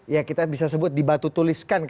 ya kita bisa sebut dibatu tuliskan